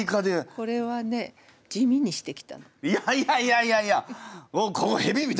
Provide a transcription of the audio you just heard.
これはねいやいやいやいやいや！